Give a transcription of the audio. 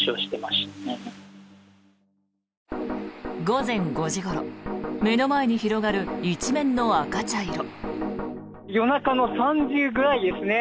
午前５時ごろ目の前に広がる一面の赤茶色。